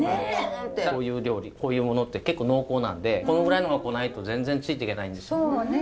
こういう料理こういうものって結構濃厚なんでこのぐらいのが来ないと全然ついていけないです。